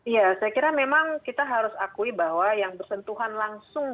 ya saya kira memang kita harus akui bahwa yang bersentuhan itu adalah kepentingan